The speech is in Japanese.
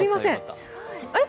あれ？